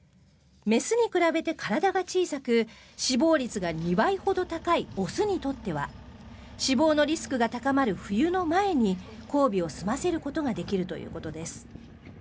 雌に比べて体が小さく死亡率が２倍ほど高い雄にとっては死亡のリスクが高まる冬の前に交尾を済ませることができるということです。